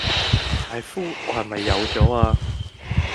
大夫，我係咪有左呀